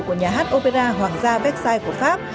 của nhà hát opera hoàng gia vetsai của pháp